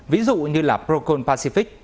ví dụ như là procon pacific